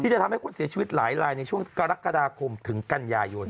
จะทำให้คนเสียชีวิตหลายลายในช่วงกรกฎาคมถึงกันยายน